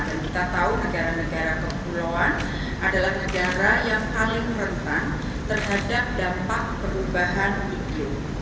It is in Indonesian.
dan kita tahu negara negara kepulauan adalah negara yang paling rentan terhadap dampak perubahan iklim